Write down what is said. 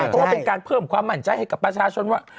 เพราะว่าเป็นการเพิ่มความมั่นใจให้กับประชาชนว่า